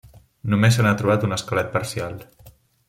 Només se n'ha trobat un esquelet parcial.